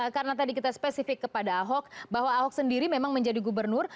karena tadi kita spesifik kepada ahok bahwa ahok sendiri memang menjadi gubernur